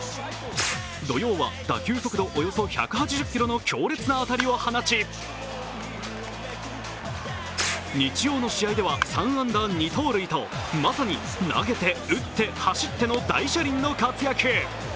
土曜は打球速度およそ１８０キロの強烈な当たりを放ち日曜の試合では３安打２盗塁とまさに投げて、打って、走っての大車輪の活躍。